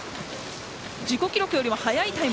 自己記録よりも速いタイム。